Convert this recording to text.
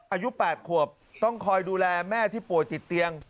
อายุ๘ขวบต้องคอยดูแลแม่ที่ป่วยติดเตียง